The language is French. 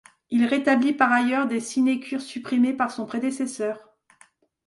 Il rétablit par ailleurs des sinécures supprimées par son prédécesseur.